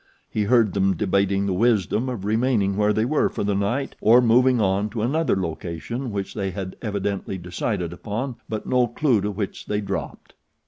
He heard them debating the wisdom of remaining where they were for the night or moving on to another location which they had evidently decided upon but no clew to which they dropped.